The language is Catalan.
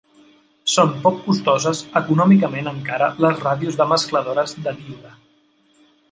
Són poc costoses econòmicament encara les ràdios de mescladores de díode.